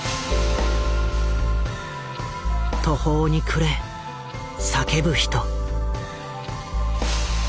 途方に暮れ叫ぶ人。